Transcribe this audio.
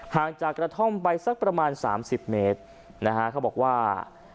ห่างจากกระท่อมไปสักประมาณสามสิบเมตรนะฮะเขาบอกว่า